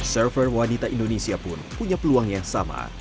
server wanita indonesia pun punya peluang yang sama